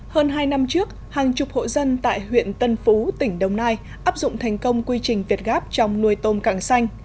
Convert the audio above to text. hơn hai năm trước hàng chục hộ dân tại huyện tân phú tỉnh đồng nai áp dụng thành công quy trình việt gáp trong nuôi tôm càng xanh